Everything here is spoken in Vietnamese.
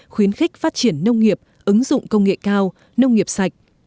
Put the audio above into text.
khuyến khích phát triển nông nghiệp ứng dụng công nghệ cao nông nghiệp sạch